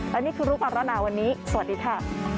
และนี่คือรูปก่อนร้อนหนาวันนี้สวัสดีค่ะ